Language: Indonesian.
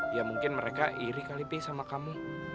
ya mungkin mereka iri kali pi sama kamu